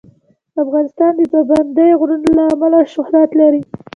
افغانستان د پابندی غرونه له امله شهرت لري.